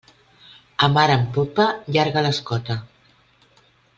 A mar en popa, llarga l'escota.